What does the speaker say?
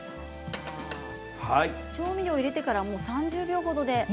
調味料を入れてから３０秒ほどで。